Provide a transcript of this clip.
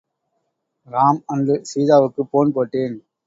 Ram... and சீதாவுக்கு phone போட்டேன்.